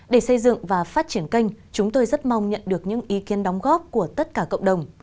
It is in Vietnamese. để xây dựng và phát triển kênh chúng tôi rất mong nhận được những ý kiến đóng góp của tất cả cộng đồng